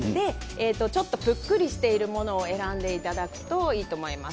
ちょっと、ぷっくりとしているものを選んでいただくといいと思います。